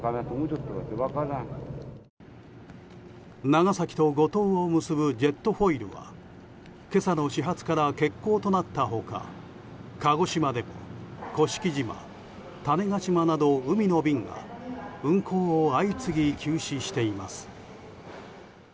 長崎と五島を結ぶジェットフォイルは今朝の始発から欠航となった他鹿児島でも甑島、種子島など海の便が運航を相次ぎ休止しています。